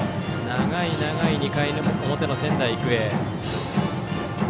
長い長い２回表の仙台育英。